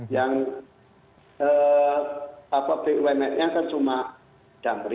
yang bumn nya kan cuma damri